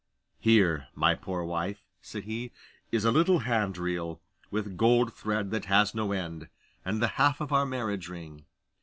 'Here, my poor wife,' said he, 'is a little hand reel, with gold thread that has no end, and the half of our marriage ring.